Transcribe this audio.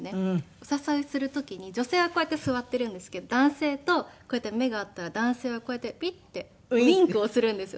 お誘いする時に女性はこうやって座っているんですけど男性とこうやって目が合ったら男性はこうやってピッてウィンクをするんですよ。